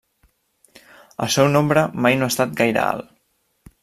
El seu nombre mai no ha estat gaire alt.